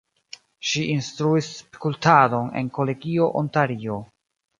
Ŝi instruis skulptadon en kolegio Ontario.